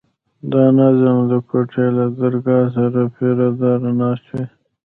د ناظم د کوټې له درګاه سره پيره دار ناست وي.